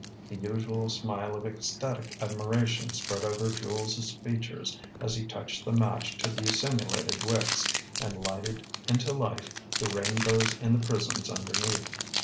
The usual smile of ecstatic admiration spread over Jules's features as he touched the match to the simulated wicks, and lighted into life the rainbows in the prisms underneath.